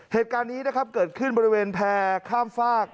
เหตุการณ์นี้นะครับเกิดขึ้นบริเวณแพร่ข้ามฝาก